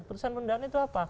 putusan penundaan itu apa